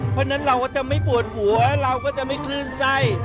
เพราะฉะนั้นเราก็จะไม่ปวดหัวเราก็จะไม่คลื่นไส้